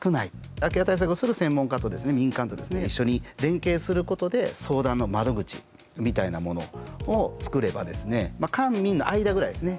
空き家対策をする専門家と民間と一緒に連携することで相談の窓口みたいなものを作れば官民の間ぐらいですね。